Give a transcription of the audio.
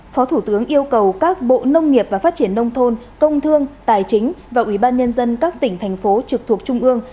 phó thủ tướng yêu cầu các bộ nông nghiệp và phát triển nông thôn công thương tài chính và ubnd các tỉnh thành phố trực thuộc trung ương